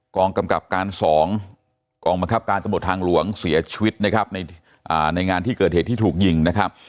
กองกำกับการ๒กองบังคับการตำรวจทางหลวงเสียชีวิตนะครับในงานที่เกิดเหตุที่ถูกยิงนะครับ